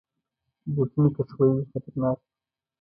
بوټونه که ښوی وي، خطرناک دي.